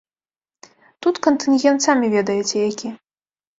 Тут кантынгент самі ведаеце, які.